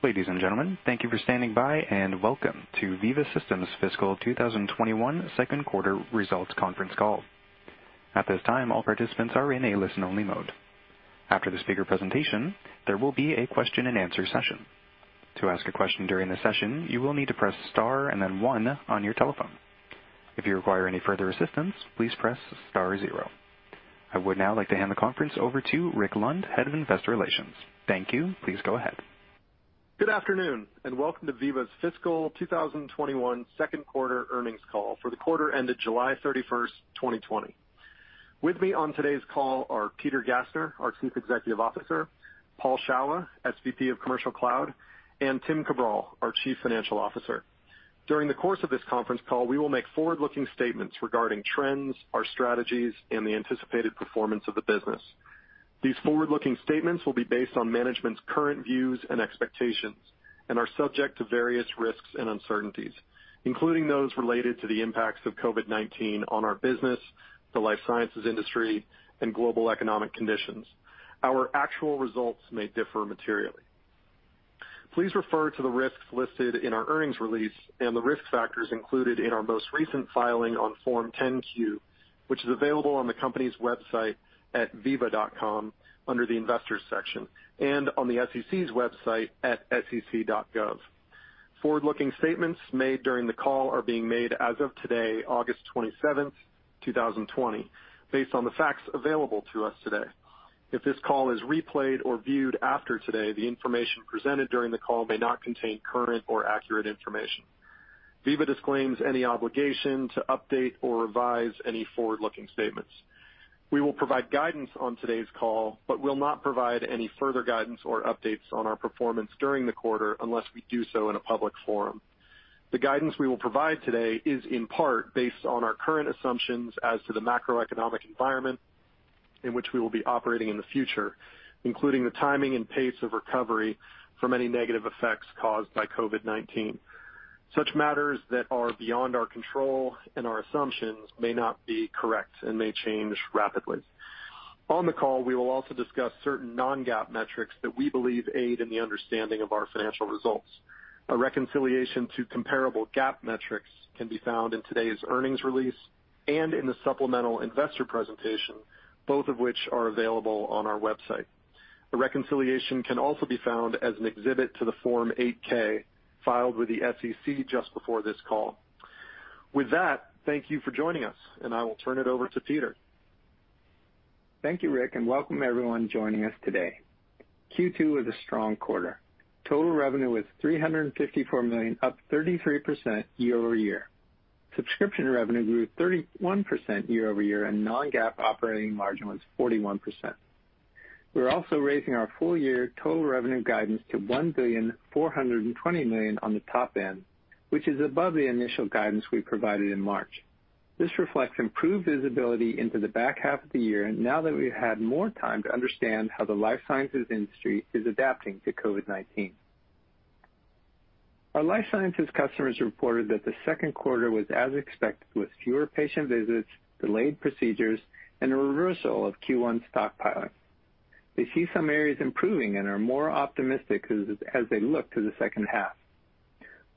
Ladies and gentlemen, thank you for standing by and welcome to Veeva Systems Fiscal 2021 Second Quarter Results Conference Call. At this time, all participants are in a listen-only mode. After the speaker presentation, there will be a question-and-answer session. To ask a question during the session, you will need to press star and then one on your telephone. If you require any further assistance, please press star zero. I would now like to hand the conference over to Rick Lund, head of investor relations. Thank you. Please go ahead. Good afternoon, and welcome to Veeva's Fiscal 2021 second quarter earnings call for the quarter ended July 31st, 2020. With me on today's call are Peter Gassner, our Chief Executive Officer, Paul Shawah, SVP of Commercial Cloud, and Tim Cabral, our Chief Financial Officer. During the course of this conference call, we will make forward-looking statements regarding trends, our strategies, and the anticipated performance of the business. These forward-looking statements will be based on management's current views and expectations and are subject to various risks and uncertainties, including those related to the impacts of COVID-19 on our business, the life sciences industry, and global economic conditions. Our actual results may differ materially. Please refer to the risks listed in our earnings release and the risk factors included in our most recent filing on Form 10-Q, which is available on the company's website at veeva.com under the Investors section and on the SEC's website at sec.gov. Forward-looking statements made during the call are being made as of today, August 27th, 2020, based on the facts available to us today. If this call is replayed or viewed after today, the information presented during the call may not contain current or accurate information. Veeva disclaims any obligation to update or revise any forward-looking statements. We will provide guidance on today's call, but will not provide any further guidance or updates on our performance during the quarter unless we do so in a public forum. The guidance we will provide today is in part based on our current assumptions as to the macroeconomic environment in which we will be operating in the future, including the timing and pace of recovery from any negative effects caused by COVID-19. Such matters that are beyond our control and our assumptions may not be correct and may change rapidly. On the call, we will also discuss certain non-GAAP metrics that we believe aid in the understanding of our financial results. A reconciliation to comparable GAAP metrics can be found in today's earnings release and in the supplemental investor presentation, both of which are available on our website. A reconciliation can also be found as an exhibit to the Form 8-K filed with the SEC just before this call. With that, thank you for joining us, and I will turn it over to Peter. Thank you, Rick. Welcome everyone joining us today. Q2 was a strong quarter. Total revenue was $354 million, up 33% year-over-year. Subscription revenue grew 31% year-over-year, and non-GAAP operating margin was 41%. We're also raising our full-year total revenue guidance to $1.42 billion on the top end, which is above the initial guidance we provided in March. This reflects improved visibility into the back half of the year now that we've had more time to understand how the life sciences industry is adapting to COVID-19. Our life sciences customers reported that the second quarter was as expected, with fewer patient visits, delayed procedures, and a reversal of Q1 stockpiling. They see some areas improving and are more optimistic as they look to the second half.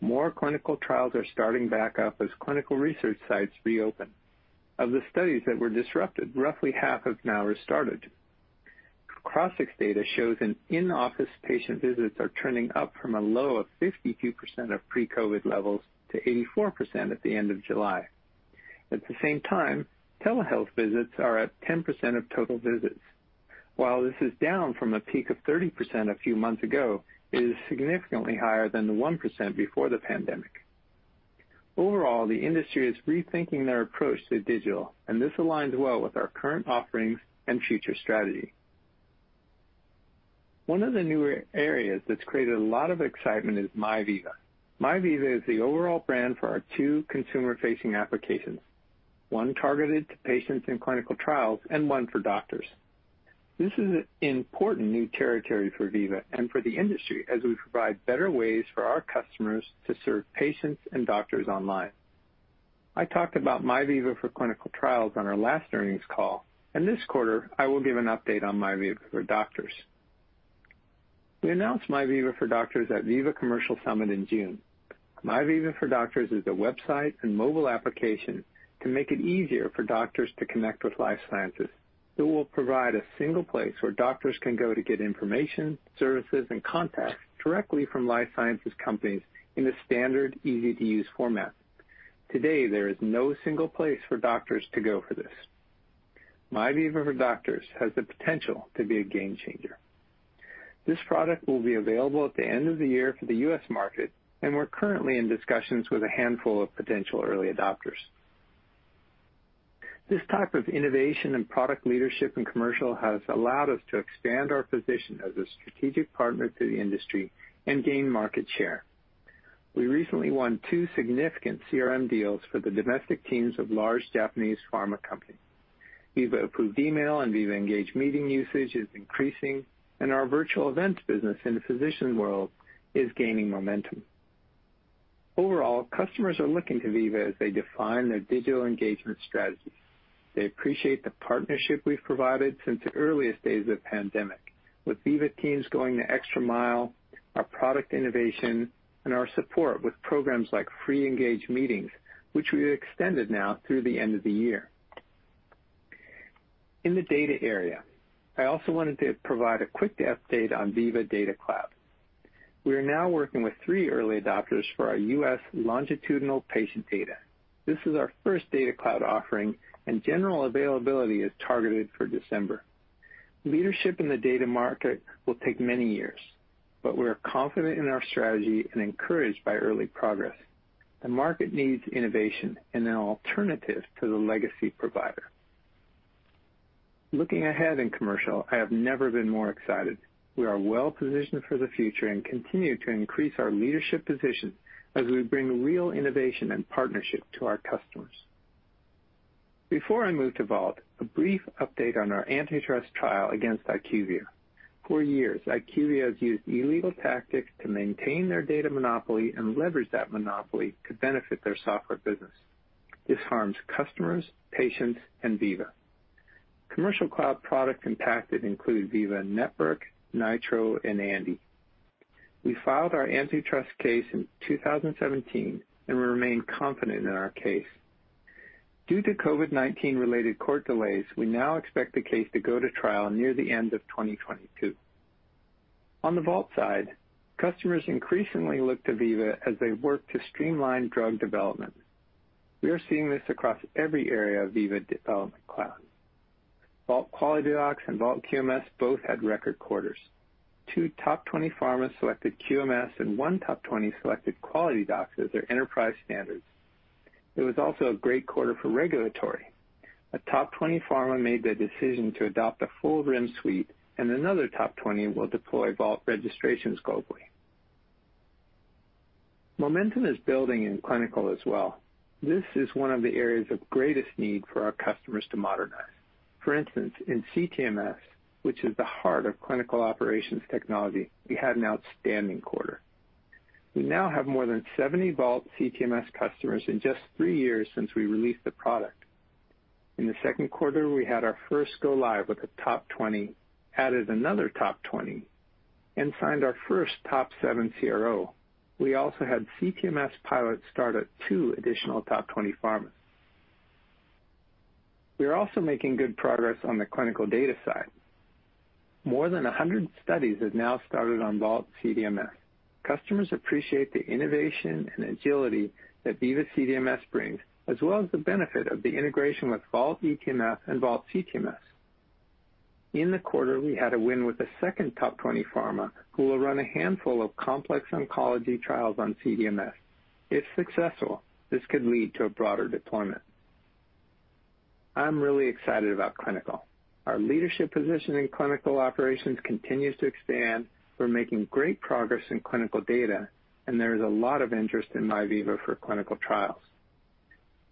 More clinical trials are starting back up as clinical research sites reopen. Of the studies that were disrupted, roughly half have now restarted. Crossix data shows an in-office patient visits are turning up from a low of 52% of pre-COVID levels to 84% at the end of July. At the same time, telehealth visits are at 10% of total visits. While this is down from a peak of 30% a few months ago, it is significantly higher than the 1% before the pandemic. Overall, the industry is rethinking their approach to digital. This aligns well with our current offerings and future strategy. One of the newer areas that's created a lot of excitement is MyVeeva. MyVeeva is the overall brand for our two consumer-facing applications, one targeted to patients in clinical trials and one for doctors. This is important new territory for Veeva and for the industry as we provide better ways for our customers to serve patients and doctors online. I talked about MyVeeva for clinical trials on our last earnings call, and this quarter I will give an update on MyVeeva for Doctors. We announced MyVeeva for Doctors at Veeva Commercial Summit in June. MyVeeva for Doctors is a website and mobile application to make it easier for doctors to connect with life sciences. It will provide a single place where doctors can go to get information, services, and contacts directly from life sciences companies in a standard, easy-to-use format. Today, there is no single place for doctors to go for this. MyVeeva for Doctors has the potential to be a game changer. This product will be available at the end of the year for the U.S. market. We're currently in discussions with a handful of potential early adopters. This type of innovation and product leadership in commercial has allowed us to expand our position as a strategic partner to the industry and gain market share. We recently won two significant CRM deals for the domestic teams of large Japanese pharma companies. Veeva Approved Email and Veeva Engage meeting usage is increasing, and our virtual events business in the Physicians World is gaining momentum. Overall, customers are looking to Veeva as they define their digital engagement strategies. They appreciate the partnership we've provided since the earliest days of the pandemic, with Veeva teams going the extra mile, our product innovation, and our support with programs like free Engage meetings, which we extended now through the end of the year. In the data area, I also wanted to provide a quick update on Veeva Data Cloud. We are now working with three early adopters for our U.S. longitudinal patient data. This is our first Data Cloud offering, and general availability is targeted for December. Leadership in the data market will take many years, but we are confident in our strategy and encouraged by early progress. The market needs innovation and an alternative to the legacy provider. Looking ahead in commercial, I have never been more excited. We are well-positioned for the future and continue to increase our leadership position as we bring real innovation and partnership to our customers. Before I move to Vault, a brief update on our antitrust trial against IQVIA. For years, IQVIA has used illegal tactics to maintain their data monopoly and leverage that monopoly to benefit their software business. This harms customers, patients, and Veeva. Commercial Cloud product impacted include Veeva Network, Nitro, and Andi. We filed our antitrust case in 2017. We remain confident in our case. Due to COVID-19 related court delays, we now expect the case to go to trial near the end of 2022. On the Veeva Vault side, customers increasingly look to Veeva as they work to streamline drug development. We are seeing this across every area of Veeva Development Cloud. Veeva Vault QualityDocs and Veeva Vault QMS both had record quarters. Two top 20 pharmas selected QMS and one top 20 selected QualityDocs as their enterprise standards. It was also a great quarter for regulatory. A top 20 pharma made the decision to adopt a full RIM suite. Another top 20 will deploy Veeva Vault Registrations globally. Momentum is building in clinical as well. This is one of the areas of greatest need for our customers to modernize. For instance, in CTMS, which is the heart of clinical operations technology, we had an outstanding quarter. We now have more than 70 Veeva Vault CTMS customers in just three years since we released the product. In the second quarter, we had our first go live with a top 20, added another top 20, and signed our first top seven CRO. We also had CTMS pilots start at two additional top 20 pharmas. We are also making good progress on the clinical data side. More than 100 studies have now started on Veeva Vault CDMS. Customers appreciate the innovation and agility that Veeva Vault CDMS brings, as well as the benefit of the integration with Veeva Vault eTMF and Veeva Vault CTMS. In the quarter, we had a win with the second top 20 pharma who will run a handful of complex oncology trials on CDMS. If successful, this could lead to a broader deployment. I'm really excited about clinical. Our leadership position in clinical operations continues to expand. We're making great progress in clinical data, and there is a lot of interest in MyVeeva for clinical trials.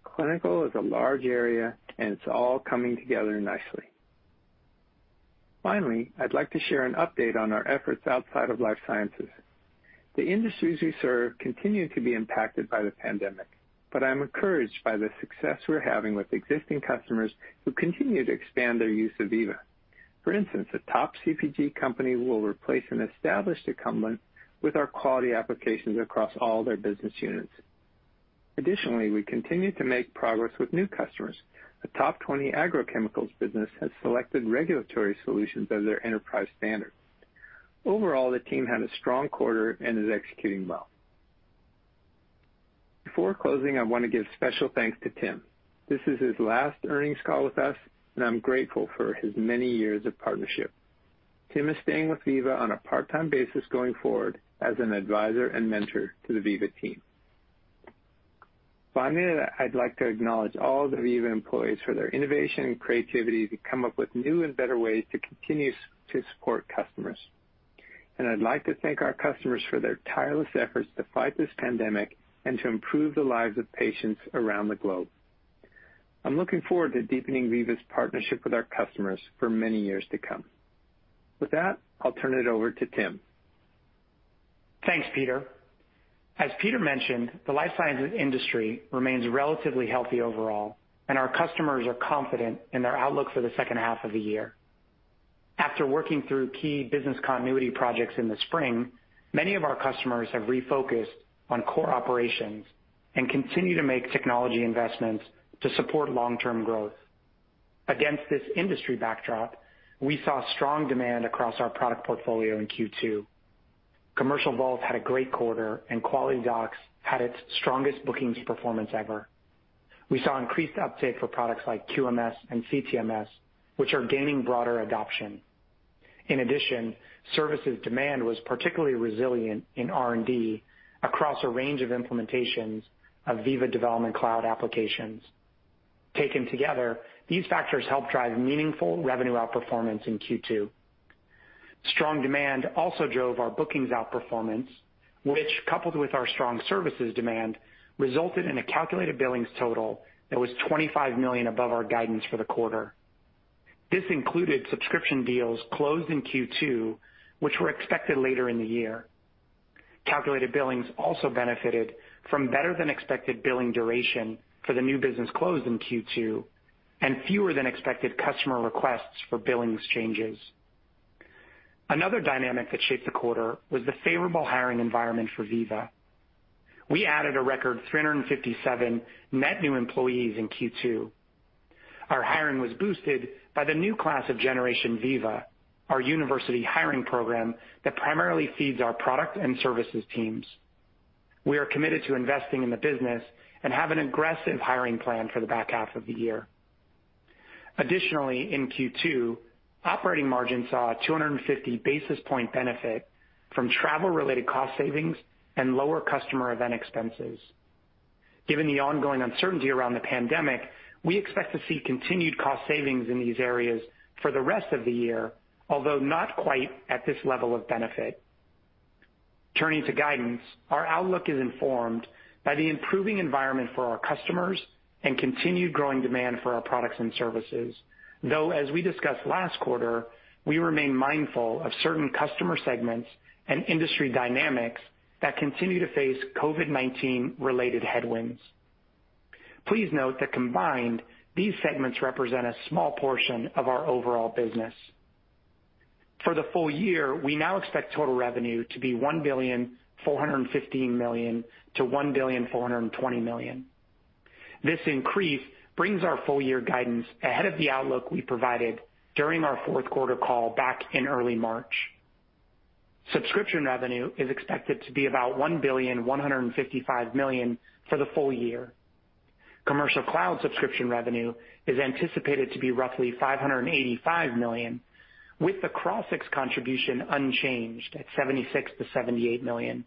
Clinical is a large area, and it's all coming together nicely. Finally, I'd like to share an update on our efforts outside of life sciences. The industries we serve continue to be impacted by the pandemic, but I'm encouraged by the success we're having with existing customers who continue to expand their use of Veeva. For instance, a top CPG company will replace an established incumbent with our quality applications across all their business units. Additionally, we continue to make progress with new customers. A top 20 agrochemicals business has selected regulatory solutions as their enterprise standard. Overall, the team had a strong quarter and is executing well. Before closing, I want to give special thanks to Tim. This is his last earnings call with us, and I'm grateful for his many years of partnership. Tim is staying with Veeva on a part-time basis going forward as an advisor and mentor to the Veeva team. Finally, I'd like to acknowledge all the Veeva employees for their innovation and creativity to come up with new and better ways to continue to support customers. I'd like to thank our customers for their tireless efforts to fight this pandemic and to improve the lives of patients around the globe. I'm looking forward to deepening Veeva's partnership with our customers for many years to come. With that, I'll turn it over to Tim. Thanks, Peter. As Peter mentioned, the life sciences industry remains relatively healthy overall, and our customers are confident in their outlook for the second half of the year. After working through key business continuity projects in the spring, many of our customers have refocused on core operations and continue to make technology investments to support long-term growth. Against this industry backdrop, we saw strong demand across our product portfolio in Q2. Commercial Vault had a great quarter, and QualityDocs had its strongest bookings performance ever. We saw increased uptake for products like QMS and CTMS, which are gaining broader adoption. In addition, services demand was particularly resilient in R&D across a range of implementations of Veeva Development Cloud applications. Taken together, these factors helped drive meaningful revenue outperformance in Q2. Strong demand also drove our bookings outperformance, which, coupled with our strong services demand, resulted in a calculated billings total that was $25 million above our guidance for the quarter. This included subscription deals closed in Q2, which were expected later in the year. Calculated billings also benefited from better than expected billing duration for the new business closed in Q2 and fewer than expected customer requests for billings changes. Another dynamic that shaped the quarter was the favorable hiring environment for Veeva. We added a record 357 net new employees in Q2. Our hiring was boosted by the new class of Generation Veeva, our university hiring program that primarily feeds our product and services teams. We are committed to investing in the business and have an aggressive hiring plan for the back half of the year. Additionally, in Q2, operating margin saw a 250 basis point benefit from travel-related cost savings and lower customer event expenses. Given the ongoing uncertainty around the pandemic, we expect to see continued cost savings in these areas for the rest of the year, although not quite at this level of benefit. Turning to guidance. Our outlook is informed by the improving environment for our customers and continued growing demand for our products and services. Though as we discussed last quarter, we remain mindful of certain customer segments and industry dynamics that continue to face COVID-19 related headwinds. Please note that combined, these segments represent a small portion of our overall business. For the full year, we now expect total revenue to be $1.415 billion-$1.420 billion. This increase brings our full year guidance ahead of the outlook we provided during our fourth quarter call back in early March. Subscription revenue is expected to be about $1.155 billion for the full year. Commercial Cloud subscription revenue is anticipated to be roughly $585 million, with the Crossix contribution unchanged at $76 million-$78 million.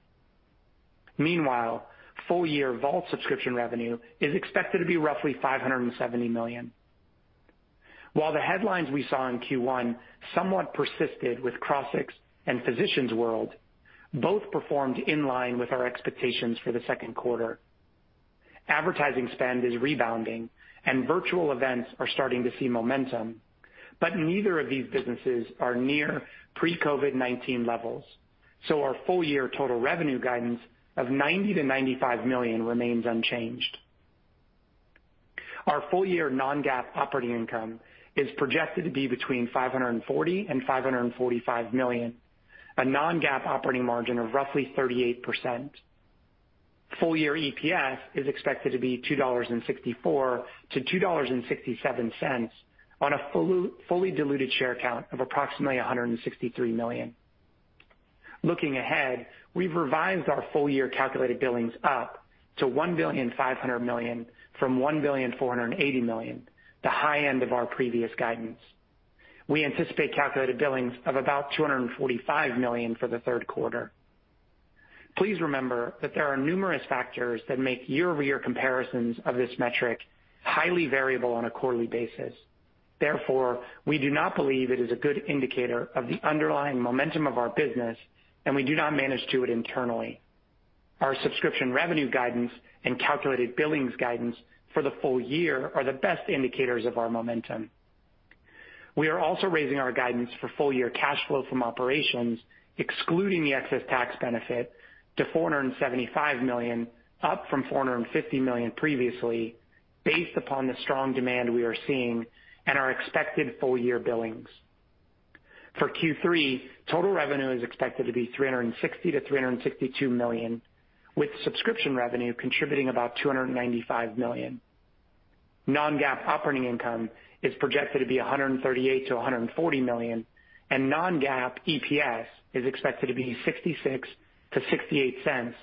Meanwhile, full year Vault subscription revenue is expected to be roughly $570 million. While the headlines we saw in Q1 somewhat persisted with Crossix and Physicians World, both performed in line with our expectations for the second quarter. Neither of these businesses are near pre-COVID-19 levels, so our full year total revenue guidance of $90 million-$95 million remains unchanged. Our full year non-GAAP operating income is projected to be between $540 million and $545 million, a non-GAAP operating margin of roughly 38%. Full year EPS is expected to be $2.64-$2.67 on a fully diluted share count of approximately 163 million. Looking ahead, we've revised our full year calculated billings up to $1.5 billion from $1.48 billion, the high end of our previous guidance. We anticipate calculated billings of about $245 million for the third quarter. Please remember that there are numerous factors that make year-over-year comparisons of this metric highly variable on a quarterly basis. We do not believe it is a good indicator of the underlying momentum of our business, and we do not manage to it internally. Our subscription revenue guidance and calculated billings guidance for the full year are the best indicators of our momentum. We are also raising our guidance for full year cash flow from operations, excluding the excess tax benefit, to $475 million, up from $450 million previously, based upon the strong demand we are seeing and our expected full year billings. For Q3, total revenue is expected to be $360 million-$362 million, with subscription revenue contributing about $295 million. non-GAAP operating income is projected to be $138 million-$140 million, and non-GAAP EPS is expected to be $0.66-$0.68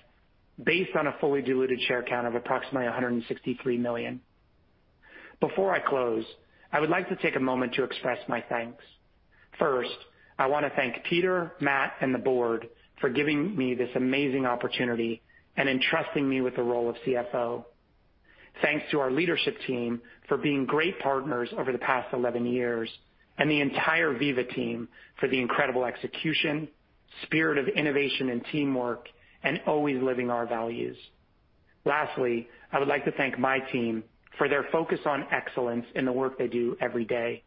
based on a fully diluted share count of approximately 163 million. Before I close, I would like to take a moment to express my thanks. First, I wanna thank Peter, Matt, and the board for giving me this amazing opportunity and entrusting me with the role of CFO. Thanks to our leadership team for being great partners over the past 11 years and the entire Veeva team for the incredible execution, spirit of innovation and teamwork, and always living our values. Lastly, I would like to thank my team for their focus on excellence in the work they do every day.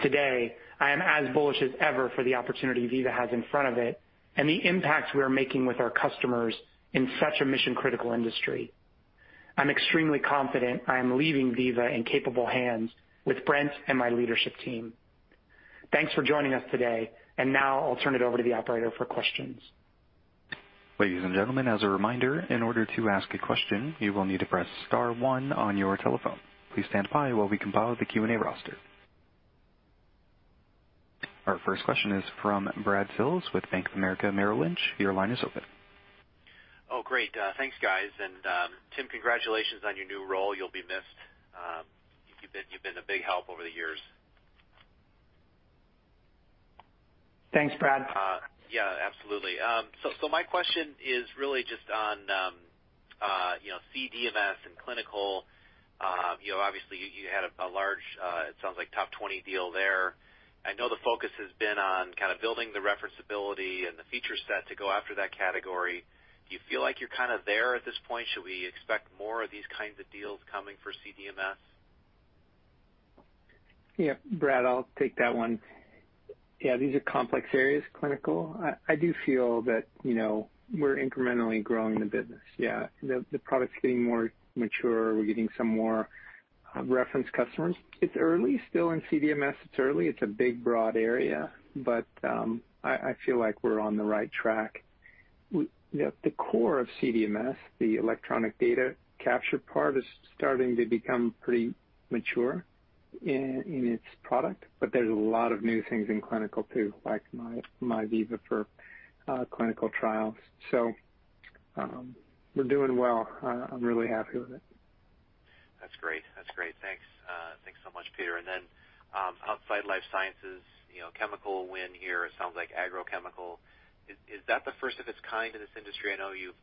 Today, I am as bullish as ever for the opportunity Veeva has in front of it and the impact we are making with our customers in such a mission-critical industry. I'm extremely confident I am leaving Veeva in capable hands with Brent and my leadership team. Thanks for joining us today. Now I'll turn it over to the operator for questions. Ladies and gentlemen, as a reminder in order to ask a question, you will need to press star one on your telephone. Please standby while we compile the Q&A roster. Our first question is from Brad Sills with Bank of America Merrill Lynch. Oh, great. Thanks, guys. Tim, congratulations on your new role. You'll be missed. You've been a big help over the years. Thanks, Brad. Yeah, absolutely. My question is really just on, you know, CDMS and Clinical. You know, obviously you had a large, it sounds like top 20 deal there. The focus has been on kind of building the referenceability and the feature set to go after that category. Do you feel like you're kind of there at this point? Should we expect more of these kinds of deals coming for CDMS? Brad, I'll take that one. These are complex areas, clinical. I do feel that, you know, we're incrementally growing the business. The product's getting more mature. We're getting some more reference customers. It's early still in CDMS. It's early. It's a big, broad area. I feel like we're on the right track. You know, the core of CDMS, the electronic data capture part, is starting to become pretty mature in its product, but there's a lot of new things in clinical too, like MyVeeva for clinical trials. We're doing well. I'm really happy with it. That's great. That's great. Thanks. Thanks so much, Peter. Then, outside life sciences, you know, chemical win here, it sounds like agrochemical. Is that the first of its kind in this industry? I know you've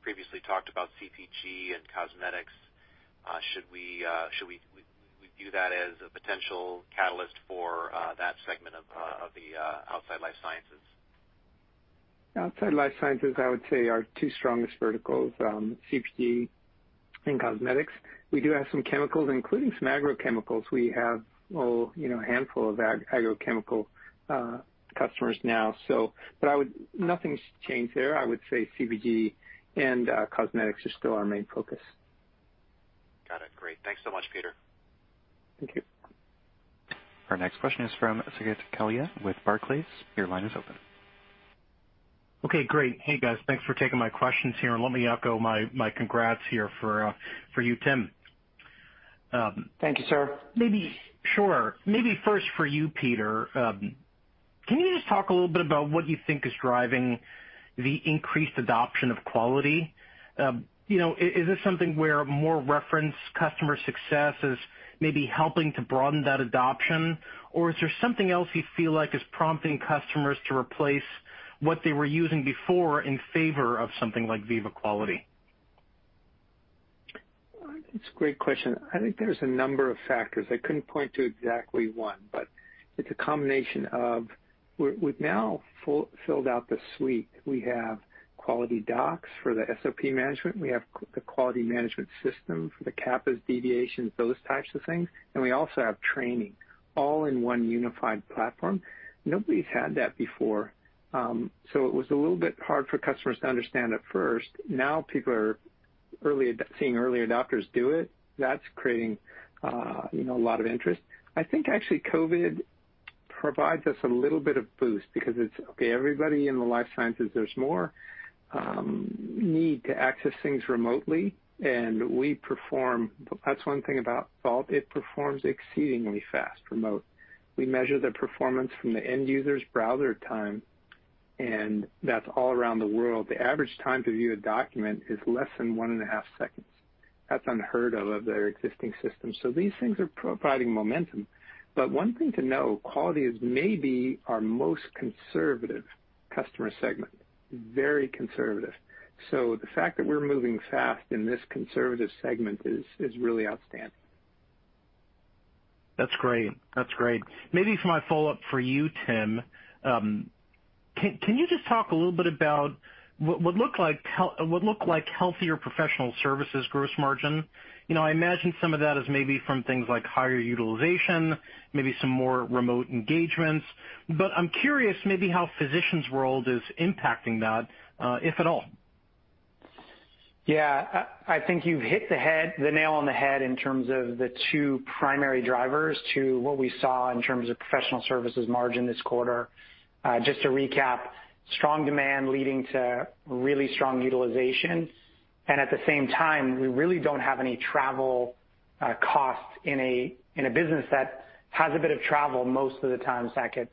previously talked about CPG and cosmetics. Should we view that as a potential catalyst for that segment of the outside life sciences? Outside life sciences, I would say, our two strongest verticals, CPG and cosmetics. We do have some chemicals, including some agrochemicals. We have, well, you know, a handful of agrochemical customers now. Nothing's changed there. I would say CPG and cosmetics are still our main focus. Got it. Great. Thanks so much, Peter. Thank you. Our next question is from Saket Kalia with Barclays. Your line is open. Okay, great. Hey, guys. Thanks for taking my questions here. Let me echo my congrats here for you, Tim. Thank you, sir. Sure. First for you, Peter, can you just talk a little bit about what you think is driving the increased adoption of Quality? You know, is this something where more reference customer success is maybe helping to broaden that adoption? Is there something else you feel like is prompting customers to replace what they were using before in favor of something like Veeva Quality? It's a great question. I think there's a number of factors. I couldn't point to exactly one, but it's a combination of we've now filled out the suite. We have QualityDocs for the SOP management. We have the quality management system for the CAPAs deviations, those types of things, and we also have training all in one unified platform. Nobody's had that before. It was a little bit hard for customers to understand at first. People are seeing early adopters do it. That's creating, you know, a lot of interest. Actually, COVID-19 provides us a little bit of boost because it's, okay, everybody in the life sciences, there's more need to access things remotely, and we perform. That's one thing about Veeva Vault. It performs exceedingly fast, remote. We measure the performance from the end user's browser time, and that's all around the world. The average time to view a document is less than 1.5 seconds. That's unheard of of their existing system. These things are providing momentum. One thing to know, quality is maybe our most conservative customer segment. Very conservative. The fact that we're moving fast in this conservative segment is really outstanding. That's great. That's great. Maybe for my follow-up for you, Tim. Can you just talk a little bit about what would look like healthier professional services gross margin? You know, I imagine some of that is maybe from things like higher utilization, maybe some more remote engagements. But I'm curious maybe how Physicians World is impacting that, if at all. Yeah. I think you've hit the nail on the head in terms of the two primary drivers to what we saw in terms of professional services margin this quarter. Just to recap, strong demand leading to really strong utilization. At the same time, we really don't have any travel costs in a business that has a bit of travel most of the time, Saket.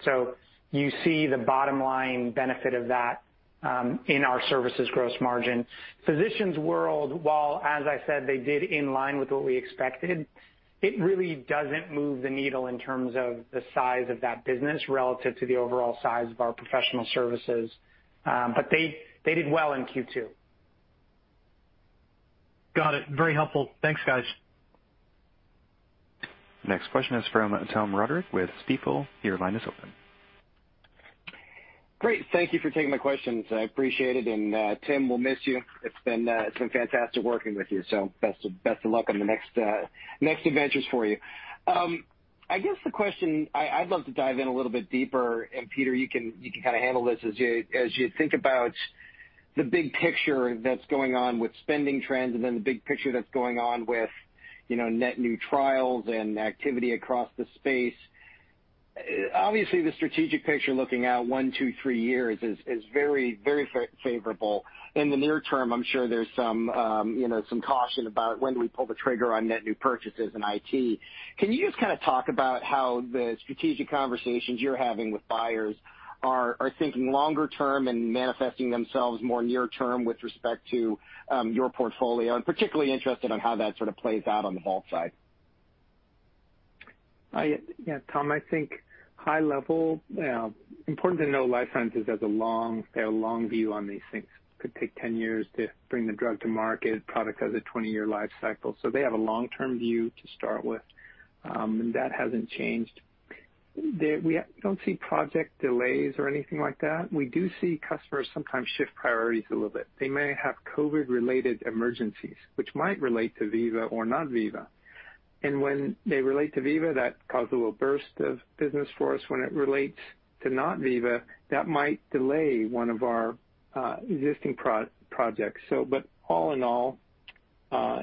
You see the bottom line benefit of that in our services gross margin. Physicians World, while, as I said, they did in line with what we expected, it really doesn't move the needle in terms of the size of that business relative to the overall size of our professional services. They did well in Q2. Got it. Very helpful. Thanks, guys. Next question is from Tom Roderick with Stifel. Your line is open. Great. Thank you for taking my questions. I appreciate it. Tim, we'll miss you. It's been fantastic working with you. Best of luck on the next adventures for you. I guess the question I'd love to dive in a little bit deeper, Peter, you can kinda handle this. As you think about the big picture that's going on with spending trends, the big picture that's going on with, you know, net new trials and activity across the space. Obviously, the strategic picture looking out one, two, three years is very, very favorable. In the near term, I'm sure there's some, you know, some caution about when do we pull the trigger on net new purchases in IT. Can you just kinda talk about how the strategic conversations you're having with buyers are thinking longer term and manifesting themselves more near term with respect to your portfolio? I'm particularly interested on how that sort of plays out on the Vault side. Tom, I think high level, important to know life sciences has a long, they have a long view on these things. Could take 10 years to bring the drug to market. Product has a 20-year life cycle. They have a long-term view to start with. That hasn't changed. We don't see project delays or anything like that. We do see customers sometimes shift priorities a little bit. They may have COVID-related emergencies which might relate to Veeva or not Veeva. When they relate to Veeva, that caused a little burst of business for us. When it relates to not Veeva, that might delay one of our existing projects. All in all,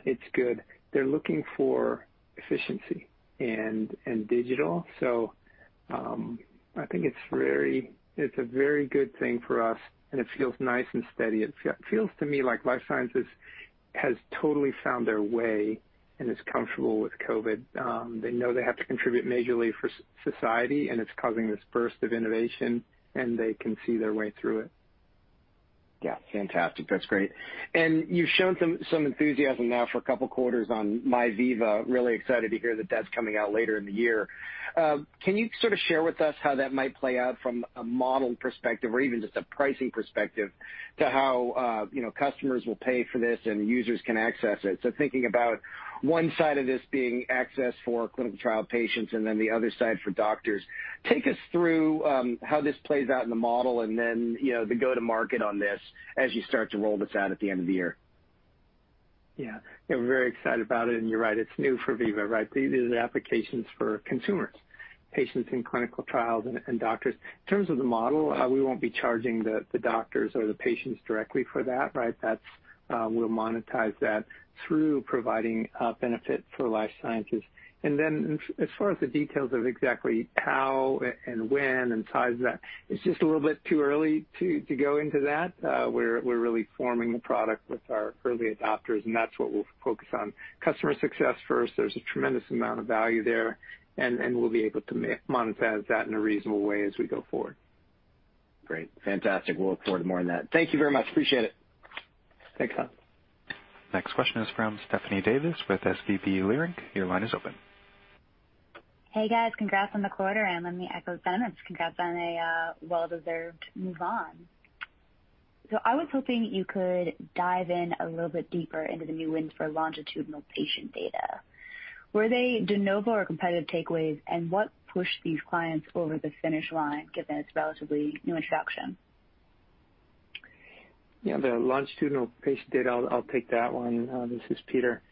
it's good. They're looking for efficiency and digital. I think it's a very good thing for us, and it feels nice and steady. It feels to me like life sciences has totally found their way and is comfortable with COVID. They know they have to contribute majorly for society, and it's causing this burst of innovation, and they can see their way through it. Yeah, fantastic. That's great. You've shown some enthusiasm now for a couple quarters on MyVeeva. Really excited to hear that that's coming out later in the year. Can you sort of share with us how that might play out from a model perspective or even just a pricing perspective to how, you know, customers will pay for this and users can access it? Thinking about one side of this being access for clinical trial patients and then the other side for doctors. Take us through how this plays out in the model and then, you know, the go-to-market on this as you start to roll this out at the end of the year. We're very excited about it. You're right, it's new for Veeva, right? These are the applications for consumers, patients in clinical trials and doctors. In terms of the model, we won't be charging the doctors or the patients directly for that, right? That's, we'll monetize that through providing benefit for life sciences. As far as the details of exactly how and when and size of that, it's just a little bit too early to go into that. We're really forming the product with our early adopters, and that's what we'll focus on. Customer success first. There's a tremendous amount of value there, and we'll be able to monetize that in a reasonable way as we go forward. Great. Fantastic. We'll look forward to more on that. Thank you very much. Appreciate it. Thanks, Tom. Next question is from Stephanie Davis with SVB Leerink. Your line is open. Hey, guys. Congrats on the quarter. Let me echo, Tim. It's congrats on a well-deserved move on. I was hoping you could dive in a little bit deeper into the new wins for longitudinal patient data. Were they de novo or competitive takeaways, and what pushed these clients over the finish line, given its relatively new inception? Yeah, the longitudinal patient data, I'll take that one. This is Peter.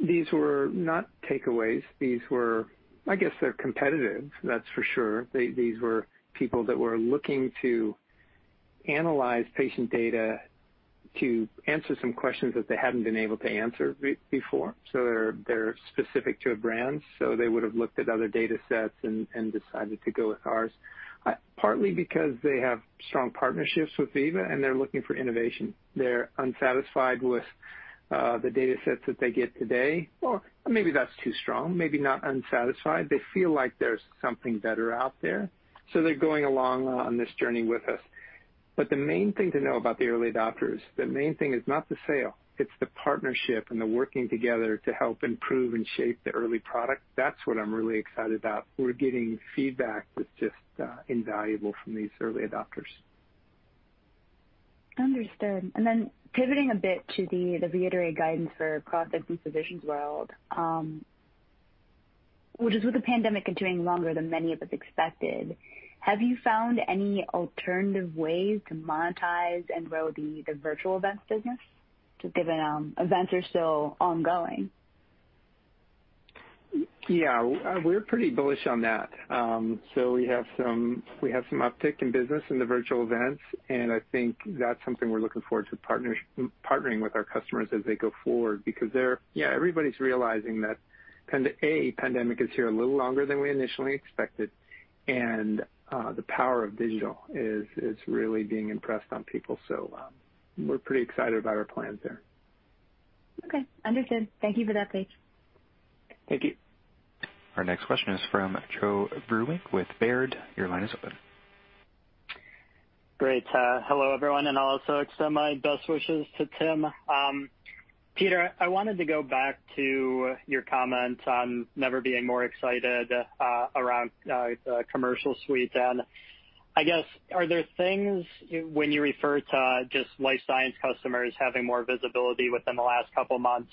These were not takeaways. These were I guess they're competitive, that's for sure. These were people that were looking to analyze patient data to answer some questions that they hadn't been able to answer before. They're specific to a brand, so they would've looked at other data sets and decided to go with ours, partly because they have strong partnerships with Veeva and they're looking for innovation. They're unsatisfied with the data sets that they get today. Maybe that's too strong. Maybe not unsatisfied. They feel like there's something better out there, so they're going along on this journey with us. The main thing to know about the early adopters, the main thing is not the sale, it's the partnership and the working together to help improve and shape the early product. That's what I'm really excited about. We're getting feedback that's just invaluable from these early adopters. Understood. Then pivoting a bit to the reiterate guidance for Crossix and Physicians World, which is with the pandemic continuing longer than many of us expected, have you found any alternative ways to monetize and grow the virtual events business, just given events are still ongoing? Yeah, we're pretty bullish on that. We have some uptick in business in the virtual events, and I think that's something we're looking forward to partnering with our customers as they go forward because they're Yeah, everybody's realizing that A pandemic is here a little longer than we initially expected, and the power of digital is really being impressed on people. We're pretty excited about our plans there. Okay. Understood. Thank you for that update. Thank you. Our next question is from Joe Vruwink with Baird. Your line is open. Great. Hello, everyone, and I'll also extend my best wishes to Tim. Peter, I wanted to go back to your comment on never being more excited around the Commercial Suite. I guess are there things, when you refer to just life science customers having more visibility within the last couple months,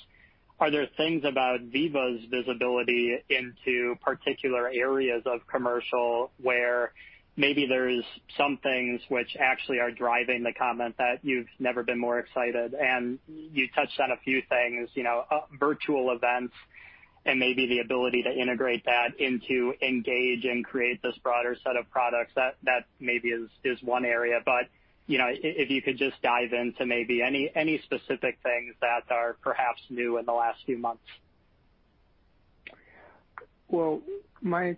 are there things about Veeva's visibility into particular areas of commercial where maybe there's some things which actually are driving the comment that you've never been more excited? You touched on a few things, you know, virtual events and maybe the ability to integrate that into Veeva Engage and create this broader set of products. That maybe is one area. You know, if you could just dive into maybe any specific things that are perhaps new in the last few months. My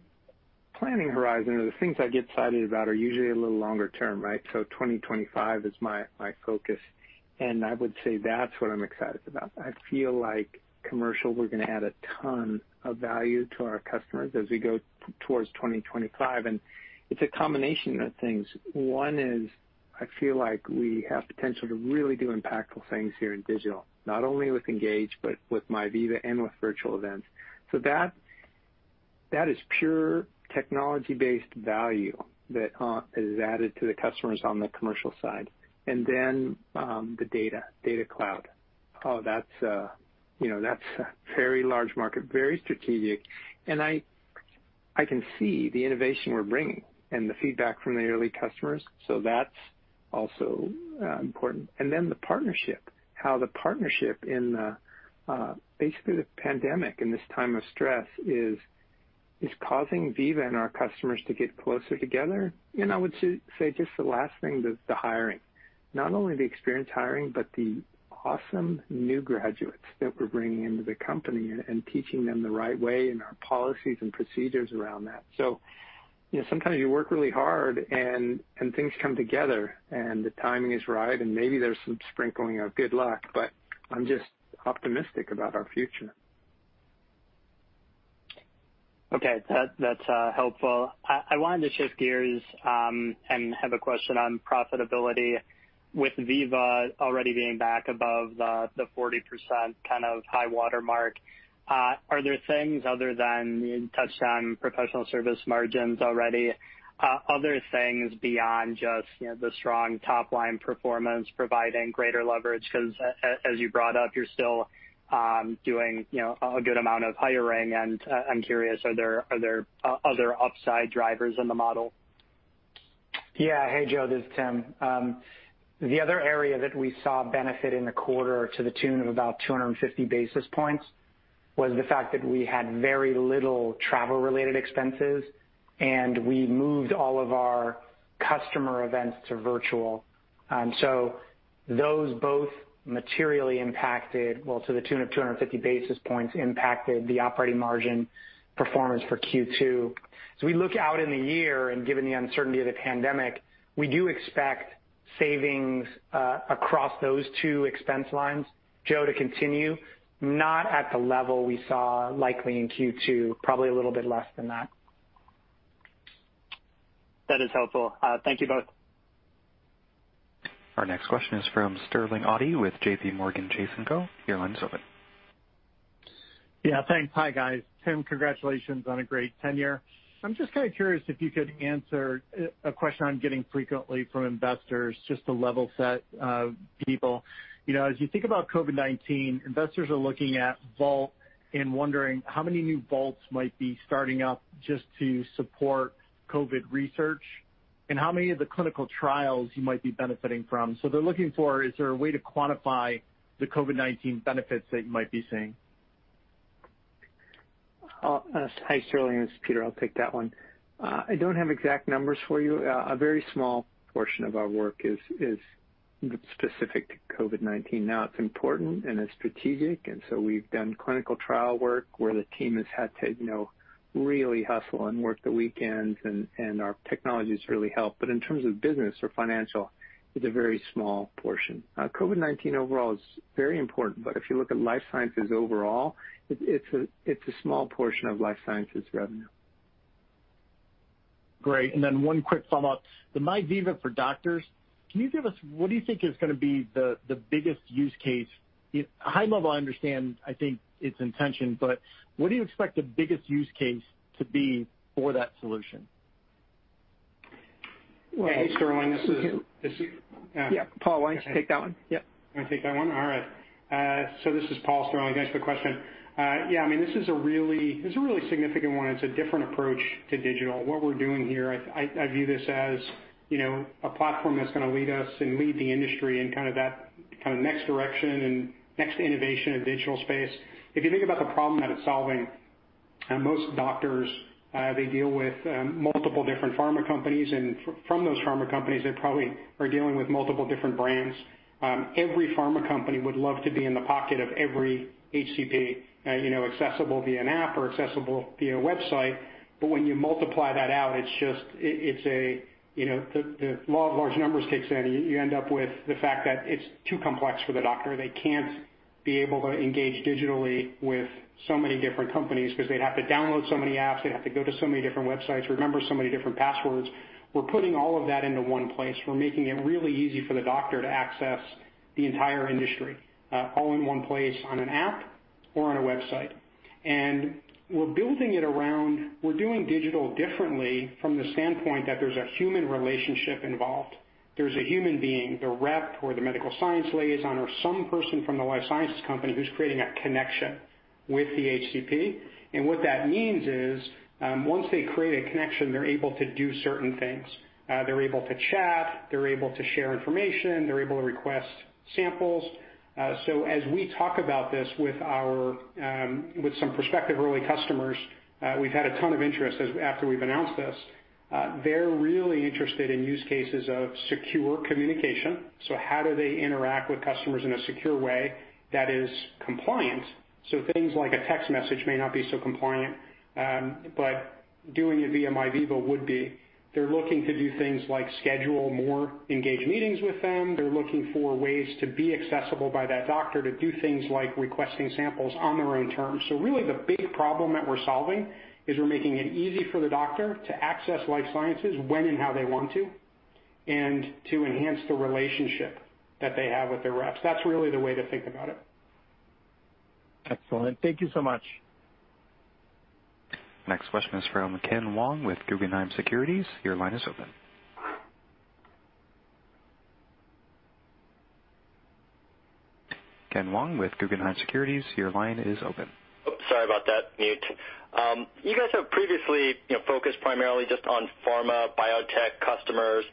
planning horizon or the things I get excited about are usually a little longer term, right? 2025 is my focus, and I would say that's what I'm excited about. I feel like Commercial, we're gonna add a ton of value to our customers as we go towards 2025, and it's a combination of things. One is I feel like we have potential to really do impactful things here in digital, not only with Engage, but with MyVeeva and with virtual events. That is pure technology-based value that is added to the customers on the Commercial side. Then the Data Cloud. That's a, you know, that's a very large market, very strategic. I can see the innovation we're bringing and the feedback from the early customers, so that's also important. Then the partnership, how the partnership in the, basically the pandemic in this time of stress is causing Veeva and our customers to get closer together. I would say just the last thing, the hiring. Not only the experience hiring, but the awesome new graduates that we're bringing into the company and teaching them the right way and our policies and procedures around that. You know, sometimes you work really hard and things come together and the timing is right, and maybe there's some sprinkling of good luck, but I'm just optimistic about our future. That's helpful. I wanted to shift gears and have a question on profitability. With Veeva already being back above the 40% kind of high watermark, are there things other than you touched on professional service margins already, other things beyond just, you know, the strong top-line performance providing greater leverage? 'Cause as you brought up, you're still doing, you know, a good amount of hiring, and I'm curious, are there other upside drivers in the model? Yeah. Hey, Joe, this is Tim. The other area that we saw benefit in the quarter to the tune of about 250 basis points was the fact that we had very little travel-related expenses, and we moved all of our customer events to virtual. Those both materially impacted, well, to the tune of 250 basis points impacted the operating margin performance for Q2. As we look out in the year and given the uncertainty of the pandemic, we do expect savings across those two expense lines, Joe, to continue, not at the level we saw likely in Q2, probably a little bit less than that. That is helpful. Thank you both. Our next question is from Sterling Auty with JPMorgan Chase & Co. Your line is open. Yeah. Thanks. Hi, guys. Tim, congratulations on a great tenure. I'm just kind of curious if you could answer a question I'm getting frequently from investors just to level set people. You know, as you think about COVID-19, investors are looking at Vault and wondering how many new Vaults might be starting up just to support COVID research and how many of the clinical trials you might be benefiting from. They're looking for is there a way to quantify the COVID-19 benefits that you might be seeing? Hi, Sterling. This is Peter. I'll take that one. I don't have exact numbers for you. A very small portion of our work is specific to COVID-19. It's important and it's strategic, we've done clinical trial work where the team has had to, you know, really hustle and work the weekends and our technologies really help. In terms of business or financial, it's a very small portion. COVID-19 overall is very important, if you look at life sciences overall, it's a small portion of life sciences revenue. Great. One quick follow-up. The MyVeeva for Doctors, can you give us what do you think is gonna be the biggest use case? You know, high level I understand, I think, its intention, but what do you expect the biggest use case to be for that solution? Well- Hey, Sterling, this is Yeah. Yeah, Paul, why don't you take that one? Yeah. You want me to take that one? All right. This is Paul, Sterling. Thanks for the question. Yeah, I mean, this is a really significant one. It's a different approach to digital. What we're doing here, I view this as, you know, a platform that's going to lead us and lead the industry in kind of that next direction and next innovation in digital space. If you think about the problem that it's solving, most doctors, they deal with multiple different pharma companies, and from those pharma companies, they probably are dealing with multiple different brands. Every pharma company would love to be in the pocket of every HCP, you know, accessible via an app or accessible via a website. When you multiply that out, you know, the law of large numbers kicks in. You end up with the fact that it's too complex for the doctor. They can't be able to engage digitally with so many different companies because they'd have to download so many apps. They'd have to go to so many different websites, remember so many different passwords. We're putting all of that into one place. We're making it really easy for the doctor to access the entire industry, all in one place on an app or on a website. We're doing digital differently from the standpoint that there's a human relationship involved. There's a human being, the rep or the medical science liaison or some person from the life sciences company who's creating that connection with the HCP. What that means is, once they create a connection, they're able to do certain things. They're able to chat. They're able to share information. They're able to request samples. As we talk about this with our, with some prospective early customers, we've had a ton of interest after we've announced this. They're really interested in use cases of secure communication. How do they interact with customers in a secure way that is compliant? Things like a text message may not be so compliant, but doing it via MyVeeva would be. They're looking to do things like schedule more engaged meetings with them. They're looking for ways to be accessible by that doctor to do things like requesting samples on their own terms. Really the big problem that we're solving is we're making it easy for the doctor to access life sciences when and how they want to and to enhance the relationship that they have with their reps. That's really the way to think about it. Excellent. Thank you so much. Next question is from Ken Wong with Guggenheim Securities. Your line is open. Ken Wong with Guggenheim Securities, your line is open. Oh, sorry about that. Mute. You guys have previously, you know, focused primarily just on pharma, biotech customers.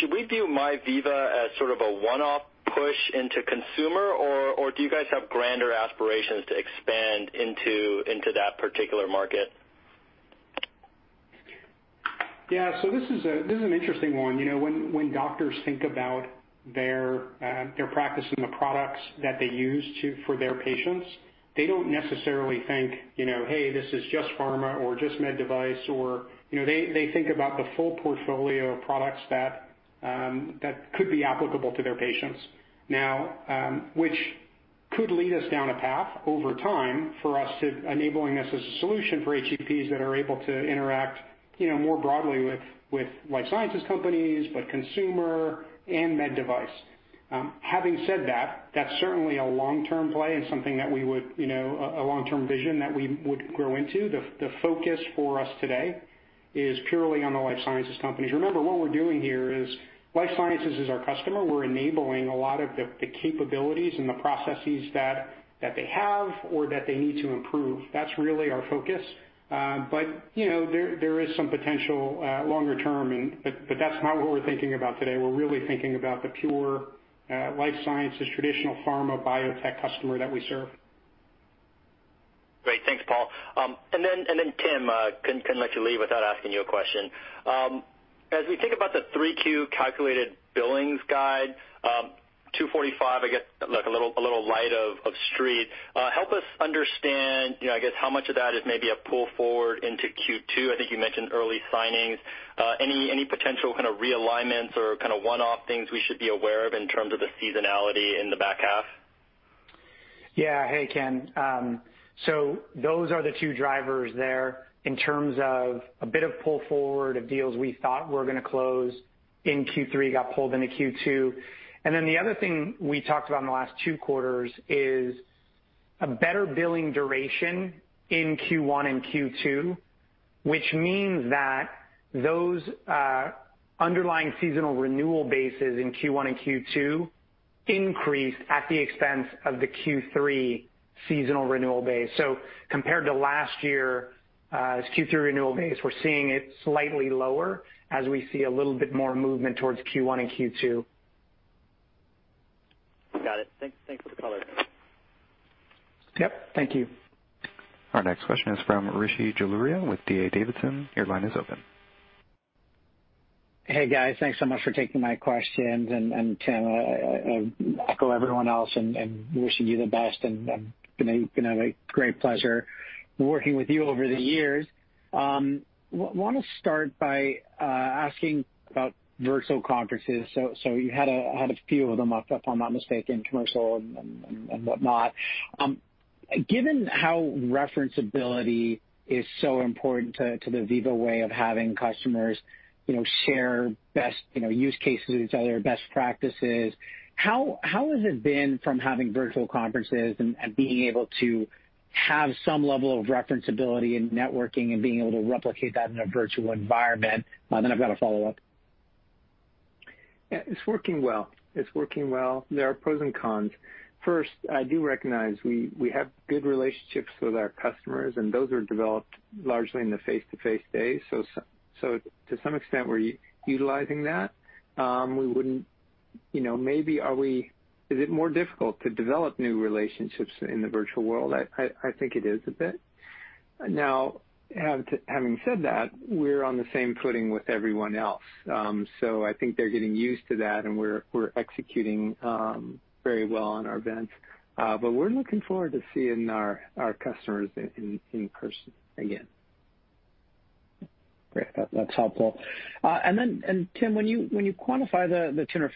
Should we view MyVeeva as sort of a one-off push into consumer, or do you guys have grander aspirations to expand into that particular market? Yeah. This is an interesting one. You know, when doctors think about their practice and the products that they use for their patients, they don't necessarily think, you know, "Hey, this is just pharma or just med device," or, you know, they think about the full portfolio of products that could be applicable to their patients. Now, which could lead us down a path over time for us to enabling us as a solution for HCPs that are able to interact, you know, more broadly with life sciences companies, but consumer and med device. Having said that's certainly a long-term play and something that we would, you know, a long-term vision that we would grow into. The focus for us today is purely on the life sciences companies. Remember, what we're doing here is life sciences is our customer. We're enabling a lot of the capabilities and the processes that they have or that they need to improve. That's really our focus. You know, there is some potential longer term but that's not what we're thinking about today. We're really thinking about the pure life sciences, traditional pharma, biotech customer that we serve. Great. Thanks, Paul. And then, Tim, couldn't let you leave without asking you a question. As we think about the 3Q calculated billings guide, $245, I guess, like a little light of street. Help us understand, you know, I guess how much of that is maybe a pull forward into Q2. I think you mentioned early signings. Any potential kind of realignments or kind of one-off things we should be aware of in terms of the seasonality in the back half? Hey, Ken. Those are the two drivers there in terms of a bit of pull forward of deals we thought were gonna close in Q3, got pulled into Q2. The other thing we talked about in the last two quarters is a better billing duration in Q1 and Q2, which means that those underlying seasonal renewal bases in Q1 and Q2 increased at the expense of the Q3 seasonal renewal base. Compared to last year, this Q3 renewal base, we're seeing it slightly lower as we see a little bit more movement towards Q1 and Q2. Got it. Thanks for the color. Yep. Thank you. Our next question is from Rishi Jaluria with D.A. Davidson. Your line is open. Hey, guys. Thanks so much for taking my questions. Tim, I echo everyone else in wishing you the best, and been a great pleasure working with you over the years. Wanna start by asking about virtual conferences. You had a few of them, if I'm not mistaken, commercial and whatnot. Given how referenceability is so important to the Veeva way of having customers, you know, share best, you know, use cases with each other, best practices, how has it been from having virtual conferences and being able to have some level of referenceability and networking and being able to replicate that in a virtual environment? I've got a follow-up. Yeah. It's working well. It's working well. There are pros and cons. First, I do recognize we have good relationships with our customers, and those are developed largely in the face-to-face days. To some extent, we're utilizing that. We wouldn't You know, maybe is it more difficult to develop new relationships in the virtual world? I think it is a bit. Now, having said that, we're on the same footing with everyone else. I think they're getting used to that, and we're executing very well on our events. We're looking forward to seeing our customers in person again. Great. That's helpful. Tim, when you quantify the benefits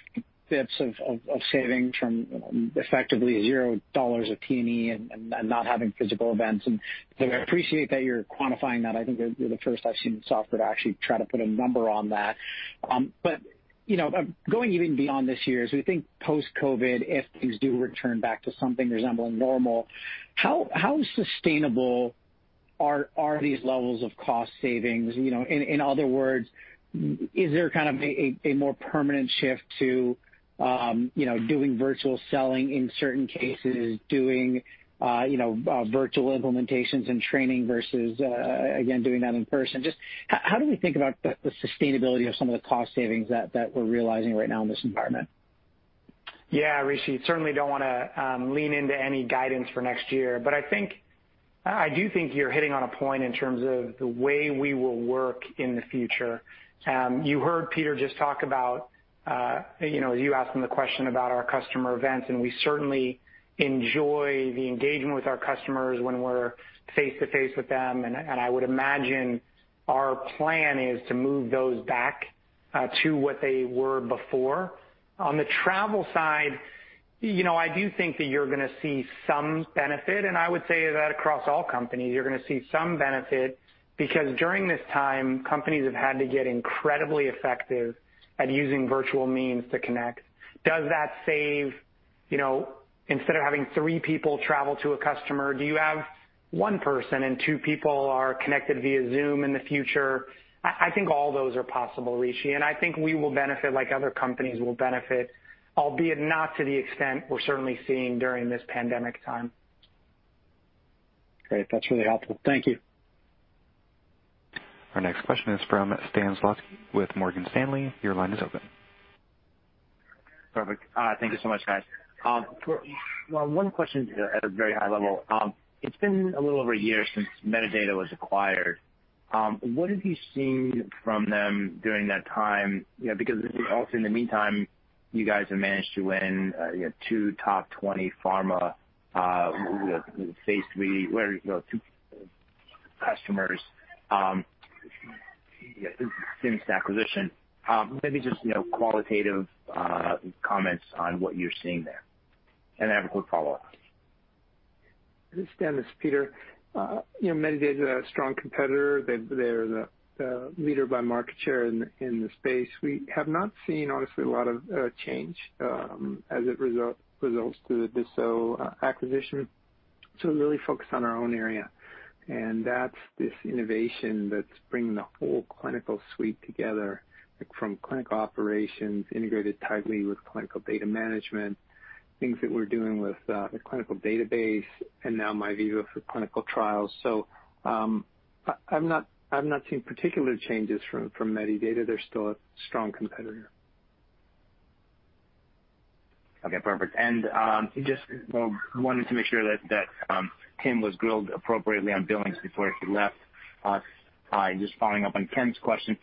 of savings from effectively $0 of T&E and not having physical events, and I appreciate that you're quantifying that. I think you're the first I've seen in software to actually try to put a number on that. You know, going even beyond this year, as we think post-COVID, if things do return back to something resembling normal, how sustainable are these levels of cost savings? You know, in other words, is there kind of a more permanent shift to, you know, doing virtual selling in certain cases, doing virtual implementations and training versus again, doing that in person? Just how do we think about the sustainability of some of the cost savings that we're realizing right now in this environment? Yeah, Rishi, certainly don't wanna lean into any guidance for next year. I do think you're hitting on a point in terms of the way we will work in the future. You heard Peter just talk about, you know, you asking the question about our customer events. We certainly enjoy the engagement with our customers when we're face-to-face with them. I would imagine our plan is to move those back to what they were before. On the travel side, you know, I do think that you're gonna see some benefit. I would say that across all companies, you're gonna see some benefit because during this time, companies have had to get incredibly effective at using virtual means to connect. Does that, you know, instead of having 3 people travel to a customer, do you have 1 person and 2 people are connected via Zoom in the future? I think all those are possible, Rishi, and I think we will benefit like other companies will benefit, albeit not to the extent we're certainly seeing during this pandemic time. Great. That's really helpful. Thank you. Our next question is from Stan Zlotsky with Morgan Stanley. Your line is open. Perfect. Thank you so much, guys. Well, one question at a very high level. It's been a little over one year since Medidata was acquired. What have you seen from them during that time? You know, because also in the meantime, you guys have managed to win, you know, two top 20 pharma with phase III where, you know, two customers since the acquisition. Maybe just, you know, qualitative comments on what you're seeing there. I have a quick follow-up. Hey, Stan, this is Peter. You know, Medidata is a strong competitor. They're the leader by market share in the space. We have not seen, honestly, a lot of change as it results to the Dassault acquisition. We're really focused on our own area, and that's this innovation that's bringing the whole clinical suite together, from clinical operations integrated tightly with clinical data management, things that we're doing with the clinical database and now MyVeeva for clinical trials. I'm not seeing particular changes from Medidata. They're still a strong competitor. Okay, perfect. Just wanted to make sure that Tim was grilled appropriately on billings before he left us. Just following up on Ken's question,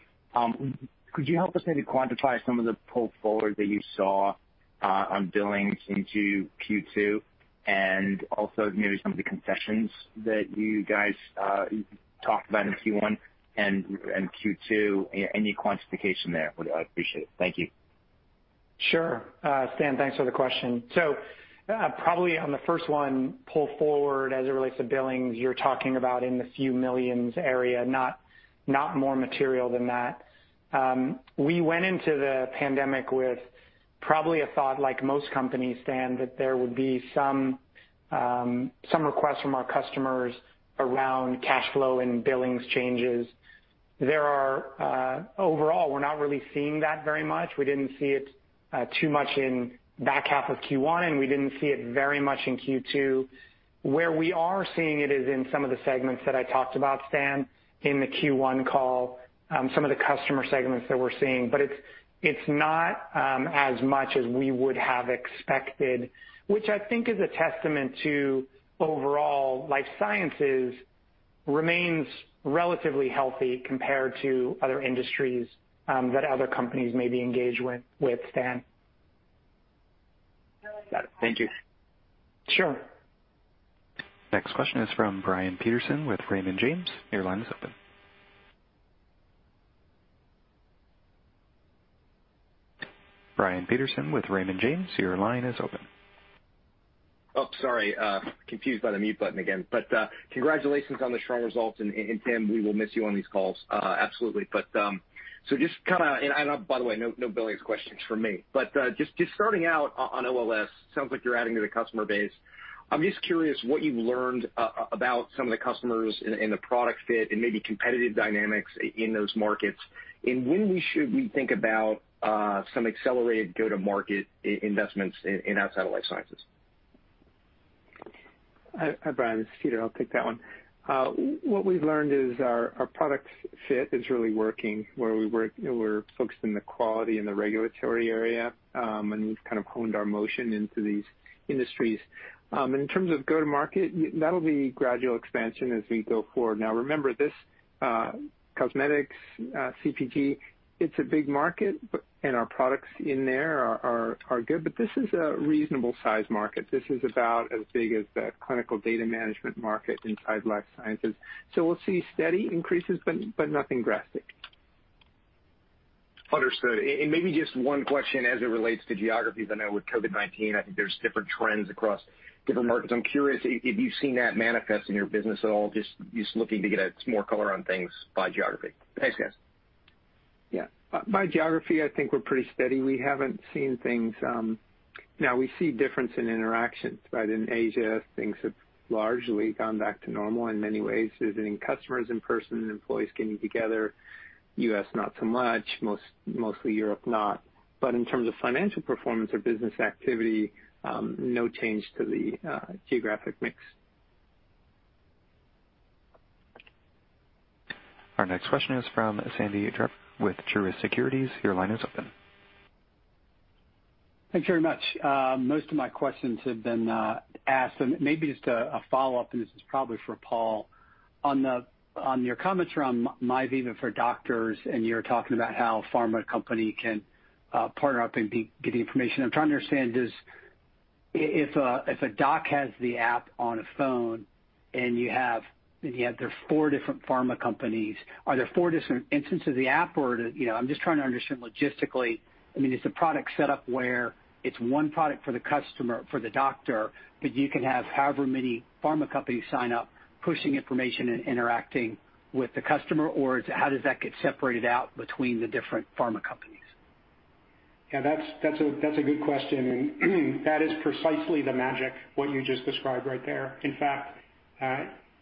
could you help us maybe quantify some of the pull forward that you saw on billings into Q2 and also maybe some of the concessions that you guys talked about in Q1 and Q2? Any quantification there would be appreciated. Thank you. Sure. Stan, thanks for the question. Probably on the first one, pull forward as it relates to billings, you're talking about in the few millions area, not more material than that. We went into the pandemic with probably a thought like most companies, Stan, that there would be some requests from our customers around cash flow and billings changes. Overall, we're not really seeing that very much. We didn't see it too much in back half of Q1, and we didn't see it very much in Q2. Where we are seeing it is in some of the segments that I talked about, Stan, in the Q1 call, some of the customer segments that we're seeing. It's not as much as we would have expected, which I think is a testament to overall life sciences remains relatively healthy compared to other industries, that other companies may be engaged with Stan. Got it. Thank you. Sure. Next question is from Brian Peterson with Raymond James. Your line is open. Brian Peterson with Raymond James. Your line is open. Sorry. Confused by the mute button again. Congratulations on the strong results. Tim, we will miss you on these calls, absolutely. By the way, no billings questions from me. Starting out on OLS, sounds like you're adding to the customer base. I'm just curious what you've learned about some of the customers and the product fit and maybe competitive dynamics in those markets, and when we should think about some accelerated go-to-market investments in, outside of life sciences. Hi, Brian, this is Peter. I'll take that one. What we've learned is our product fit is really working where we work. We're focused on the quality and the regulatory area, and we've kind of honed our motion into these industries. In terms of go to market, that'll be gradual expansion as we go forward. Remember this, cosmetics, CPG, it's a big market, and our products in there are good, but this is a reasonable size market. This is about as big as the clinical data management market inside life sciences. We'll see steady increases, but nothing drastic. Understood. Maybe just 1 question as it relates to geographies. I know with COVID-19, I think there's different trends across different markets. I'm curious if you've seen that manifest in your business at all, just looking to get some more color on things by geography. Thanks, guys. Yeah. By geography, I think we're pretty steady. We haven't seen things, Now we see difference in interactions, right? In Asia, things have largely gone back to normal in many ways, visiting customers in person and employees getting together. U.S., not so much. Mostly Europe not. In terms of financial performance or business activity, no change to the geographic mix. Our next question is from Sandy Draper with Truist Securities. Your line is open. Thanks very much. Most of my questions have been asked. Maybe just a follow-up, and this is probably for Paul. On your comments around MyVeeva for Doctors, and you're talking about how a pharma company can partner up and get the information. I'm trying to understand is if a, if a doc has the app on a phone and you have, and you have their four different pharma companies, are there four different instances of the app or, you know, I'm just trying to understand logistically, I mean, is the product set up where it's one product for the customer, for the doctor, but you can have however many pharma companies sign up pushing information and interacting with the customer, or how does that get separated out between the different pharma companies? Yeah, that's a good question. That is precisely the magic, what you just described right there. In fact,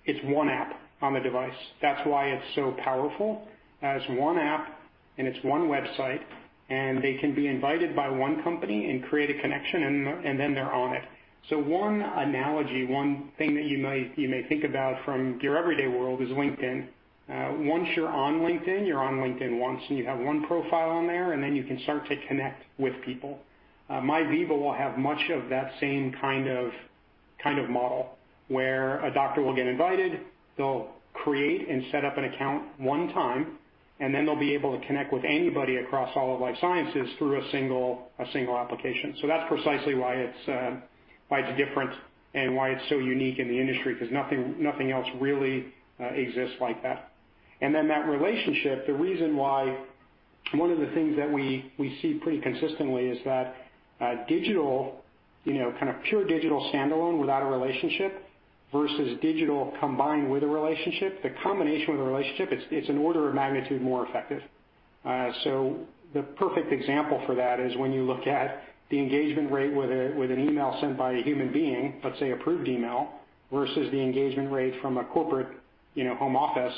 it's one app on the device. That's why it's so powerful. It's one app, and it's one website, and they can be invited by one company and create a connection, and then they're on it. One analogy, one thing that you may think about from your everyday world is LinkedIn. Once you're on LinkedIn, you're on LinkedIn once, and you have one profile on there, and then you can start to connect with people. MyVeeva will have much of that same kind of model, where a doctor will get invited, they'll create and set up an account one time, and then they'll be able to connect with anybody across all of life sciences through a single application. That's precisely why it's different and why it's so unique in the industry, 'cause nothing else really exists like that. That relationship, the reason why one of the things that we see pretty consistently is that digital, you know, kind of pure digital standalone without a relationship versus digital combined with a relationship, the combination with a relationship, it's an order of magnitude more effective. The perfect example for that is when you look at the engagement rate with an email sent by a human being, let's say Approved Email, versus the engagement rate from a corporate, you know, home office.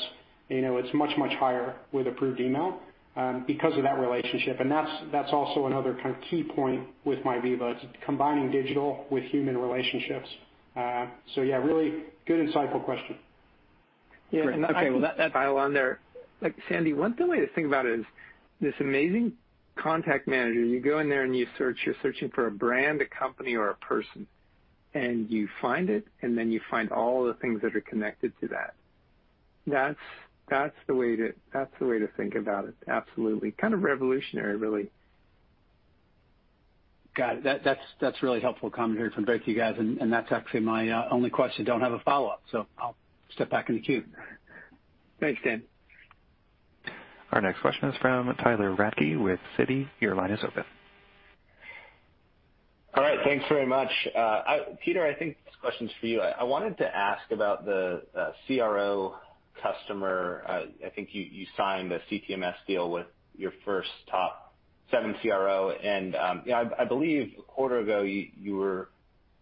You know, it's much higher with Approved Email because of that relationship. That's also another kind of key point with MyVeeva. It's combining digital with human relationships. Really good insightful question. Yeah. Okay. Well. While I'm there. Like, Sandy, the way to think about it is this amazing contact manager. You go in there, and you search. You're searching for a brand, a company, or a person, and you find it, and then you find all the things that are connected to that. That's the way to think about it, absolutely. Kind of revolutionary, really. Got it. That's really helpful commentary from both you guys, and that's actually my only question. I don't have a follow-up, so I'll step back in the queue. Thanks, Sandy. Our next question is from Tyler Radke with Citi. Your line is open. All right. Thanks very much. Peter, I think this question is for you. I wanted to ask about the CRO customer. I think you signed a CTMS deal with your first top seven CRO. Yeah, I believe a quarter ago, you were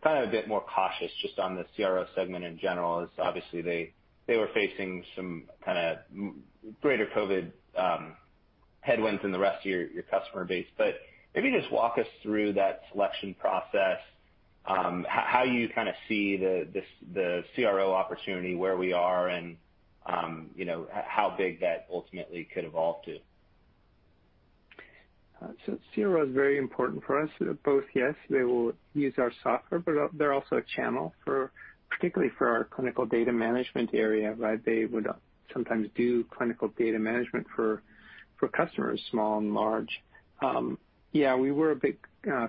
kind of a bit more cautious just on the CRO segment in general, as obviously they were facing some kinda greater COVID-19 headwinds than the rest of your customer base. Maybe just walk us through that selection process. How you kind of see the CRO opportunity, where we are and, you know, how big that ultimately could evolve to. CRO is very important for us. Both, yes, they will use our software, but they're also a channel for, particularly for our clinical data management area, right? They would sometimes do clinical data management for customers, small and large. Yeah, we were a bit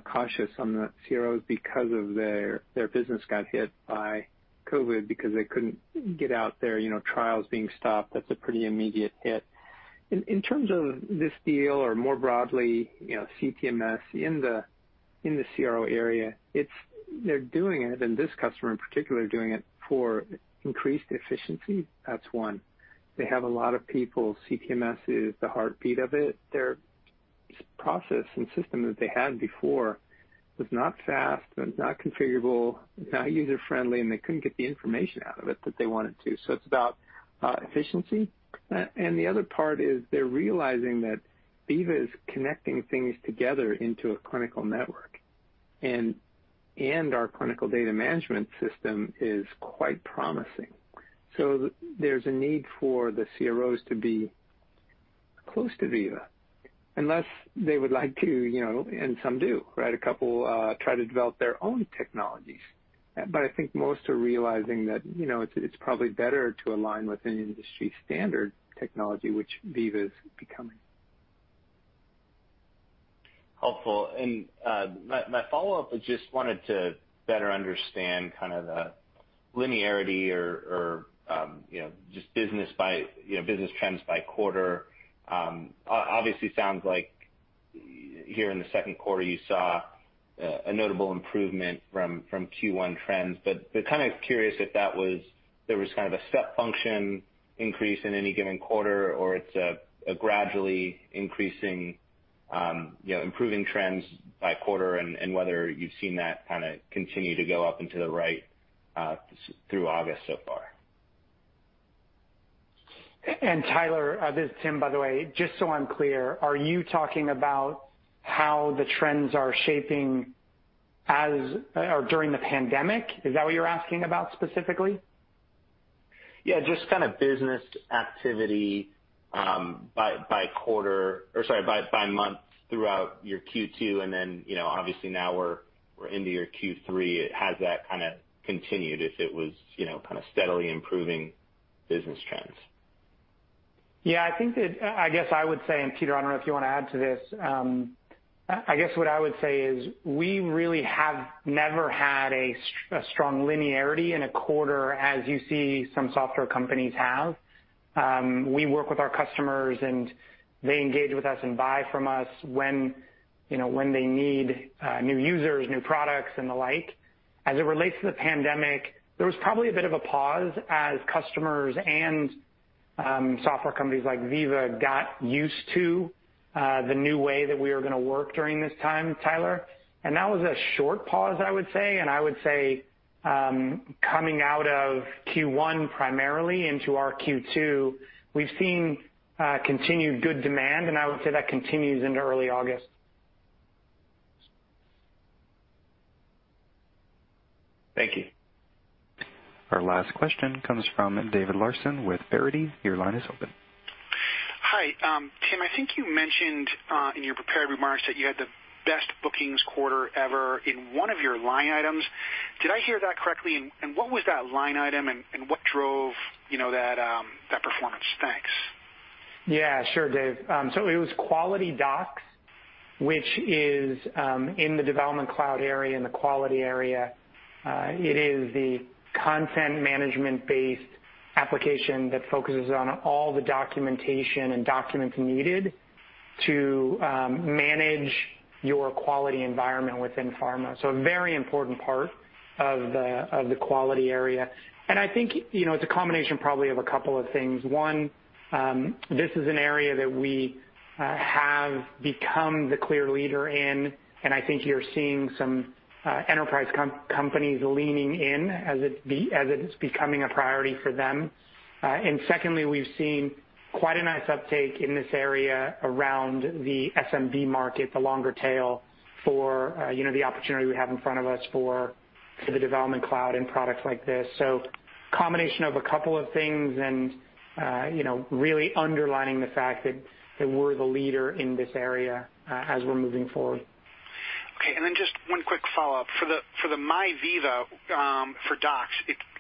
cautious on the CROs because of their business got hit by COVID because they couldn't get out there. You know, trials being stopped, that's a pretty immediate hit. In terms of this deal or more broadly, you know, CTMS in the CRO area, they're doing it, and this customer in particular are doing it for increased efficiency. That's one. They have a lot of people. CTMS is the heartbeat of it. Their process and system that they had before was not fast and not configurable, not user-friendly, and they couldn't get the information out of it that they wanted to. It's about efficiency. The other part is they're realizing that Veeva is connecting things together into a clinical network. Our clinical data management system is quite promising. There's a need for the CROs to be close to Veeva. Unless they would like to, you know, and some do, right? A couple try to develop their own technologies. But I think most are realizing that, you know, it's probably better to align with an industry-standard technology, which Veeva is becoming. Helpful. My follow-up, I just wanted to better understand kind of the linearity or, you know, just business by, you know, business trends by quarter. Obviously, sounds like here in the second quarter, you saw a notable improvement from Q1 trends. Kind of curious there was kind of a step function increase in any given quarter or it's a gradually increasing, you know, improving trends by quarter and whether you've seen that kind of continue to go up into the right through August so far. Tyler, this is Tim, by the way. Just so I'm clear, are you talking about how the trends are shaping as or during the pandemic? Is that what you're asking about specifically? Just kind of business activity by month throughout your Q2, and then, you know, obviously now we're into your Q3. Has that kind of continued if it was, you know, kind of steadily improving business trends? Yeah. I think I guess I would say, and Peter, I don't know if you wanna add to this. I guess what I would say is we really have never had a strong linearity in a quarter as you see some software companies have. We work with our customers, and they engage with us and buy from us when, you know, when they need new users, new products, and the like. As it relates to the pandemic, there was probably a bit of a pause as customers and Software companies like Veeva got used to the new way that we were gonna work during this time, Tyler. That was a short pause, I would say. I would say coming out of Q1 primarily into our Q2, we've seen continued good demand. That continues into early August. Thank you. Our last question comes from David Larsen with Verity. Your line is open. Hi. Tim, I think you mentioned in your prepared remarks that you had the best bookings quarter ever in one of your line items. Did I hear that correctly? What was that line item, and what drove, you know, that performance? Thanks. Yeah, sure, Dave. It was QualityDocs, which is in the Veeva Development Cloud area, in the quality area. It is the content management-based application that focuses on all the documentation and documents needed to manage your quality environment within pharma. A very important part of the quality area. I think, you know, it's a combination probably of a couple of things. One, this is an area that we have become the clear leader in, and I think you're seeing some enterprise companies leaning in as it is becoming a priority for them. Secondly, we've seen quite a nice uptake in this area around the SMB market, the longer tail for, you know, the opportunity we have in front of us for the Veeva Development Cloud and products like this. Combination of a couple of things and, you know, really underlining the fact that we're the leader in this area, as we're moving forward. Okay, and then just one quick follow-up. For the, for the MyVeeva for Docs,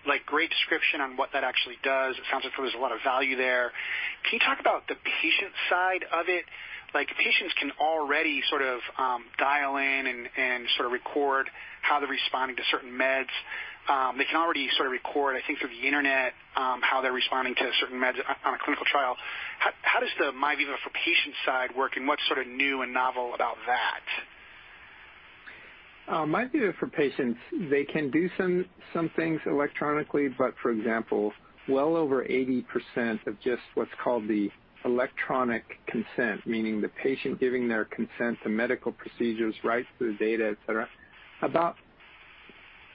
like great description on what that actually does. It sounds as though there's a lot of value there. Can you talk about the patient side of it? Like, patients can already sort of, dial in and sort of record how they're responding to certain meds. They can already sort of record, I think, through the Internet, how they're responding to certain meds on a clinical trial. How does the MyVeeva for Patient side work, and what's sort of new and novel about that? MyVeeva for Patients, they can do some things electronically, but for example, well over 80% of just what's called the electronic consent, meaning the patient giving their consent to medical procedures, rights to the data, et cetera, about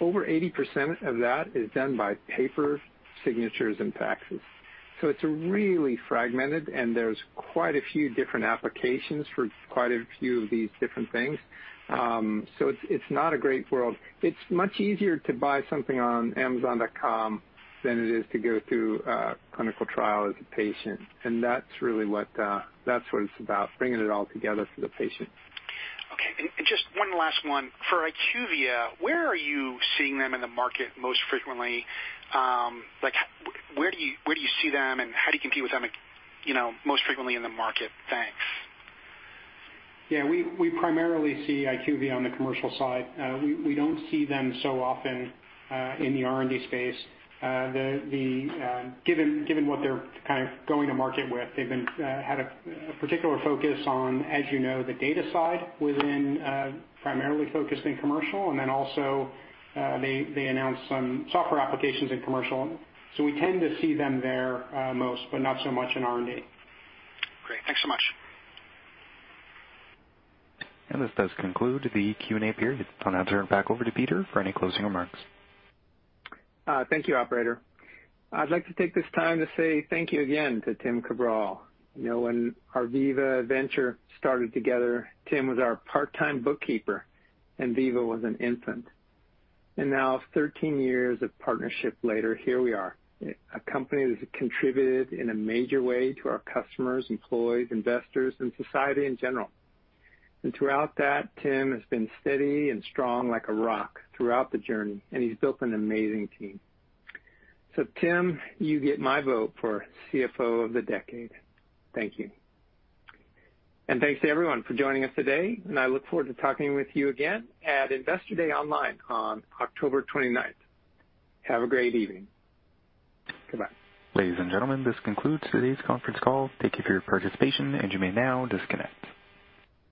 over 80% of that is done by paper signatures and faxes. It's really fragmented, and there's quite a few different applications for quite a few of these different things. It's not a great world. It's much easier to buy something on amazon.com than it is to go through a clinical trial as a patient, that's really what that's what it's about, bringing it all together for the patient. Okay. Just one last one. For IQVIA, where are you seeing them in the market most frequently? where do you see them, and how do you compete with them, you know, most frequently in the market? Thanks. Yeah. We primarily see IQVIA on the commercial side. We don't see them so often in the R&D space. Given what they're kind of going to market with, they've had a particular focus on, as you know, the data side within primarily focused in commercial, and then also, they announced some software applications in commercial. We tend to see them there most, but not so much in R&D. Great. Thanks so much. This does conclude the Q&A period. I'll now turn it back over to Peter for any closing remarks. Thank you, operator. I'd like to take this time to say thank you again to Tim Cabral. You know, when our Veeva adventure started together, Tim was our part-time bookkeeper, and Veeva was an infant. Now, 13 years of partnership later, here we are, a company that's contributed in a major way to our customers, employees, investors, and society in general. Throughout that, Tim has been steady and strong like a rock throughout the journey, and he's built an amazing team. Tim, you get my vote for CFO of the decade. Thank you. Thanks to everyone for joining us today, and I look forward to talking with you again at Investor Day online on October 29th. Have a great evening. Goodbye. Ladies and gentlemen, this concludes today's conference call. Thank you for your participation, and you may now disconnect.